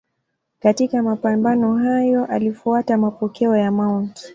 Katika mapambano hayo alifuata mapokeo ya Mt.